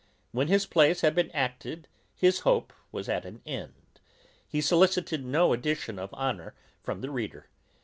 When his plays had been acted, his hope was at an end; he solicited no addition of honour from the reader.